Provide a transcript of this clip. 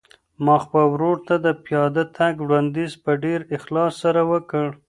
ما خپل ورور ته د پیاده تګ وړاندیز په ډېر اخلاص سره وکړ.